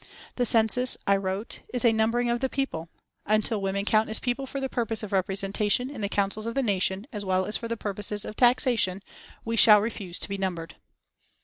"The Census," I wrote, "is a numbering of the people. Until women count as people for the purpose of representation in the councils of the nation as well as for purposes of taxation, we shall refuse to be numbered."